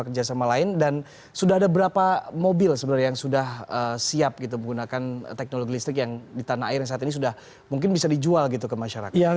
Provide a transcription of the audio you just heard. kerjasama lain dan sudah ada berapa mobil sebenarnya yang sudah siap gitu menggunakan teknologi listrik yang di tanah air yang saat ini sudah mungkin bisa dijual gitu ke masyarakat